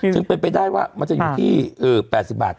จึงเป็นไปได้ว่ามันจะอยู่ที่๘๐บาท